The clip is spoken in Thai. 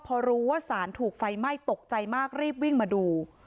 พอรู้ว่าสารถูกไฟไหม้ตกใจมากรีบวิ่งมาดู